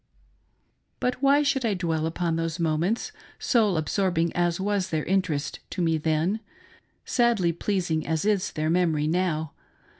But why should I dwell upon those moments, soul absorbing as was their interest to me i^en — sadly pleasing as is their memory now